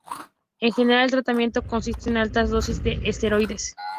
En general, el tratamiento consiste en altas dosis de esteroides.